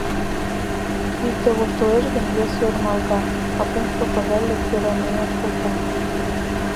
Икте воштылеш гын, весе ӧрмалга, а кумшо, пожале, кӧраненат колта.